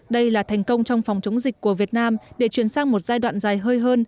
đây là thành công trong phòng chống dịch của việt nam để chuyển sang một giai đoạn dài hơi hơn